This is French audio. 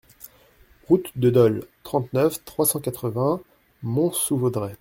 Route de Dole, trente-neuf, trois cent quatre-vingts Mont-sous-Vaudrey